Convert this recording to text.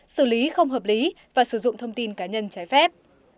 xử lý không hợp lý và sử dụng thông tin cá nhân trái phép